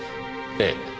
ええ。